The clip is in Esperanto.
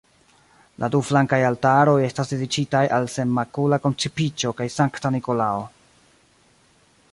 La du flankaj altaroj estas dediĉitaj al Senmakula Koncipiĝo kaj Sankta Nikolao.